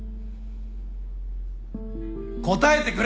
答えてくれ！